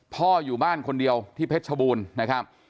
พ่ออยู่บ้านคนเดียวที่เพชรชบูรณ์นะครับ